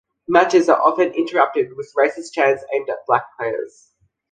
Matches are often interrupted with racist chants aimed at black players.